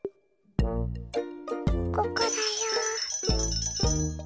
ここだよ。